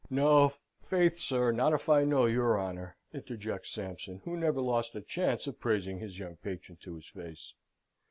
"No, faith, sir, not if I know your honour!" interjects Sampson, who never lost a chance of praising his young patron to his face.